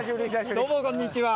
どうもこんにちは。